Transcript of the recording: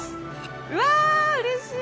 うわうれしい！